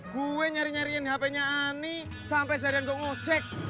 kue nyari nyariin hpnya ani sampe seharian kok ngecek